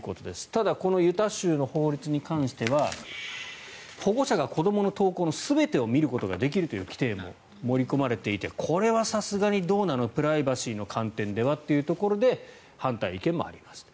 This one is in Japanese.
ただこのユタ州の法律に関しては保護者が子どもの投稿の全てを見ることができるという規定も盛り込まれていてこれはさすがにどうなのプライバシーの観点ではというところで反対意見もありますと。